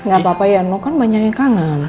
gapapa ya noh kan banyak yang kangen